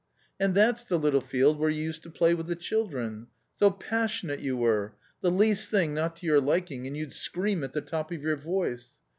And that's the little field where you used to play with the children ; so passionate you were ; the least thing not to your liking and you'd scream at the top of your voice.